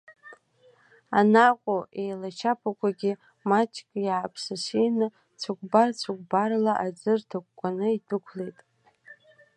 Анаҟәоу еилачаԥақәагьы маҷк иааԥсасины, цәыкәбар-цәыкәбарла аӡы рҭыкәкәаны идәықәлоит.